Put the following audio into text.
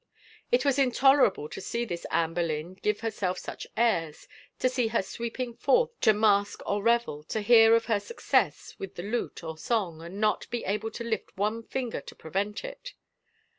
It was intolerable to see this Anne Boleyn give herself such airs, to see her sweeping forth to masque or revel, to hear of her success with the lute or song, and not be able to lift one finger to prevent it.